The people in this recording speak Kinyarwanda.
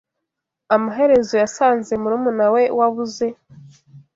Amaherezo yasanze murumuna we wabuze